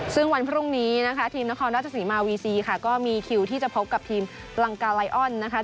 ซึ่งวันพรุ่งนี้นะคะทีมนครราชสีมาวีซีค่ะก็มีคิวที่จะพบกับทีมลังกาไลออนนะคะ